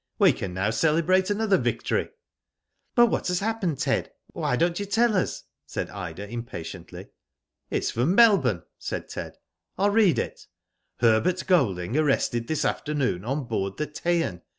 We can now celebrate another victory." "But what has happened, Ted? Why don't you tell us?" said Ida, impatiently. " It is from Melbourne," said Ted. " 1*11 read it. 'Herbert Golding arrested this afternoon on board the Teian.